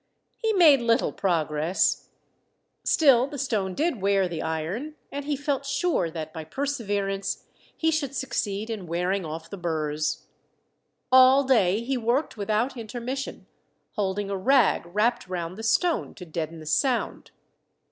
He made little progress. Still the stone did wear the iron, and he felt sure that, by perseverance, he should succeed in wearing off the burrs. All day he worked without intermission, holding a rag wrapped round the stone to deaden the sound.